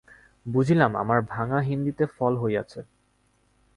বুঝিলাম, আমার ভাঙা হিন্দিতে ফল হইয়াছে।